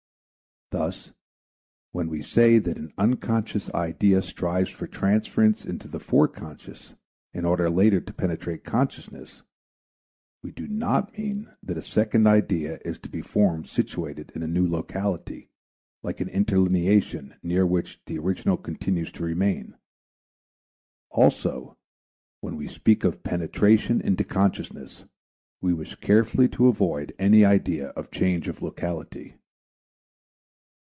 Thus, when we say that an unconscious idea strives for transference into the foreconscious in order later to penetrate consciousness, we do not mean that a second idea is to be formed situated in a new locality like an interlineation near which the original continues to remain; also, when we speak of penetration into consciousness, we wish carefully to avoid any idea of change of locality.